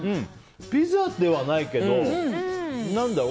ピザではないけど何だろう